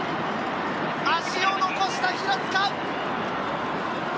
足を残した平塚！